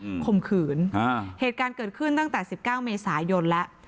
ข่มขืนอ่าเหตุการณ์เกิดขึ้นตั้งแต่สิบเก้าเมษายนแล้ว